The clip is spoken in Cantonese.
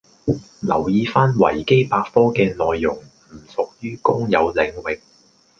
留意返維基百科嘅內容唔屬於公有領域